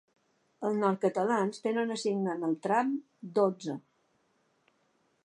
Els nord-catalans tenen assignat el tram dotze.